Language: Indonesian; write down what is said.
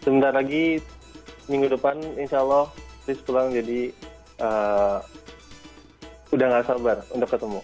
sebentar lagi minggu depan insya allah ris pulang jadi udah gak sabar untuk ketemu